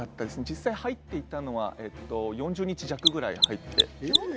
実際入っていたのは４０日弱ぐらい入っていたので。